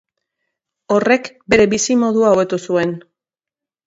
Horrek bere bizimodua hobetu zuen.